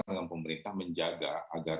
dengan pemerintah menjaga agar